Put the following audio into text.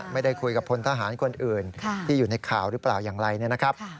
ไม่ได้คุยกับพลทหารคนอื่นที่อยู่ในข่าวหรือเปล่าอย่างไรเนี่ยนะครับ